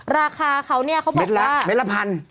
ราคาเขาเนี่ยเขาบอกว่า